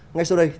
ngay sau đây